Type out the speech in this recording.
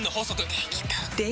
できた！